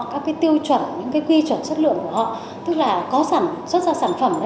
các tiêu chuẩn quy chuẩn chất lượng của họ tức là có sản xuất ra sản phẩm